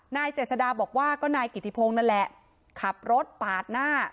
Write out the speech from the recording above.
เจษดาบอกว่าก็นายกิติพงศ์นั่นแหละขับรถปาดหน้า